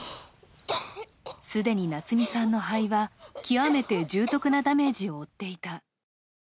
既に夏美さんの肺は極めて重篤なダメージを負っていた。